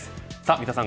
三田さん